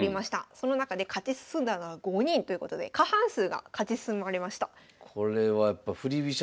その中で勝ち進んだのは５人ということで過半数が勝ち進まれました。